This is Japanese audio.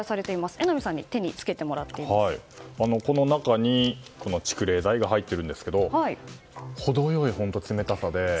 榎並さんにこの中に蓄冷材が入っているんですけども程よい冷たさで。